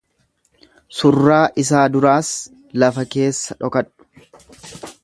Surraa isaa duraas lafa keessa dhokadhu!